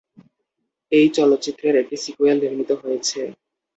এই চলচ্চিত্রের একটি সিক্যুয়েল নির্মিত হয়েছে।